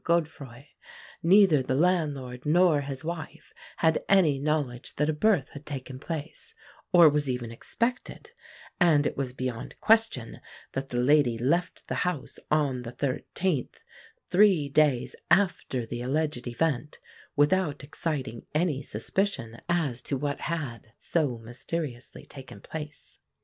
Godefroi, neither the landlord nor his wife had any knowledge that a birth had taken place, or was even expected; and it was beyond question that the lady left the house on the 13th, three days after the alleged event, without exciting any suspicion as to what had so mysteriously taken place.